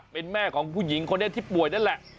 เป็นแม่ของผู้หญิงคนนี้ที่ป่วยนั่นแหละ